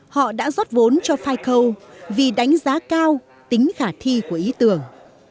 họ đã rót vốn cho fico vì đánh giá cao tính khả thi của ý tưởng